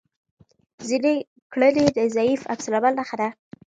ځینې کړنې د ضعیف عکس العمل نښه ده.